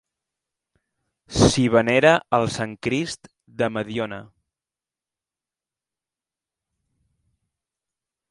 S'hi venera el sant Crist de Mediona.